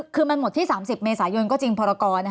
คือมันหมดที่๓๐เมษายนก็จริงพรกร